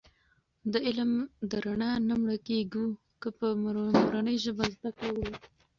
د علم د رڼا نه مړکېږو که په مورنۍ ژبه زده کړه وکړو.